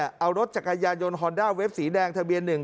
เอารถจักรยายนฮอลด้าเว็บสีแดงทะเบียนหนึ่ง